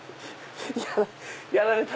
やられた！